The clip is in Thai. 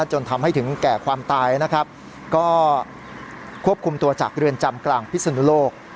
จนทำให้ถึงแก่ความตายนะครับก็ควบคุมตัวจากเรือนจำกลางพิศนุโลก